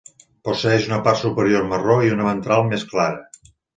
Posseeix una part superior marró i una ventral més clara.